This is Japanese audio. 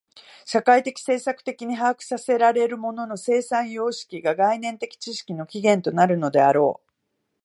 社会的制作的に把握せられる物の生産様式が概念的知識の起源となるのであろう。